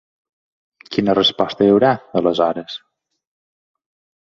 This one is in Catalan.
Quina resposta hi haurà, aleshores?